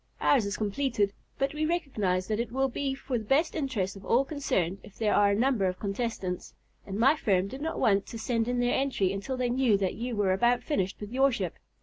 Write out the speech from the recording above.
Ours is completed, but we recognize that it will be for the best interests of all concerned if there are a number of contestants, and my firm did not want to send in their entry until they knew that you were about finished with your ship.